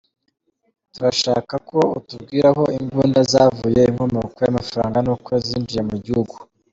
“Turashaka ko utubwira aho imbunda zavuye, inkomoko y’amafaranga n’uko zinjiye mu gihugu.”